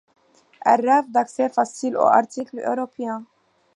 Elles rêvent d'accès faciles aux articles européens.